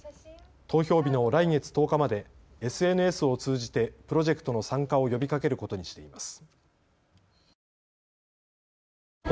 投票日の来月１０日までＳＮＳを通じてプロジェクトの参加を呼びかけることにしています。